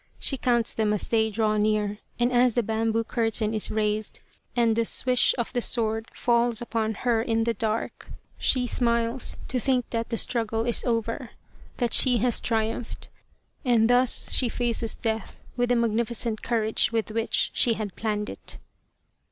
She counts them as they draw near, and as the bamboo curtain is raised and the swish of the sword falls upon her in the dark, she smiles to think that the struggle is over, that she has triumphed, and thus she faces death with the magnificent courage with which she had planned it.